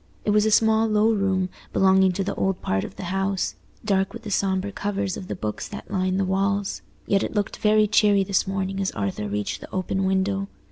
It was a small low room, belonging to the old part of the house—dark with the sombre covers of the books that lined the walls; yet it looked very cheery this morning as Arthur reached the open window.